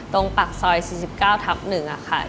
ปากซอย๔๙ทับ๑ค่ะ